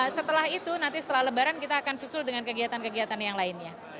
setelah itu nanti setelah lebaran kita akan susul dengan kegiatan kegiatan yang lainnya